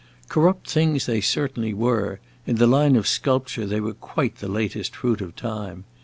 Corrupt things they certainly were; in the line of sculpture they were quite the latest fruit of time.